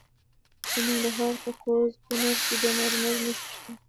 د ننګرهار په کوز کونړ کې د مرمرو نښې شته.